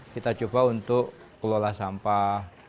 kita coba untuk kelola sampah